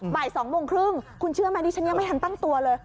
บ่าย๒โมงครึ่งคุณเชื่อไหมดิฉันยังไม่ทันตั้งตัวเลย